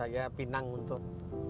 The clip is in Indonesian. ya pinang untuk